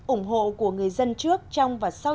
ủng hộ của người dân trước trong và sau